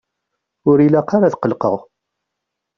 Ur ilaq ara ad qellqeɣ.